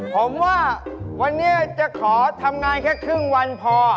ผมว่าวันนี้จะขอทำงานแค่ครึ่งวันพอ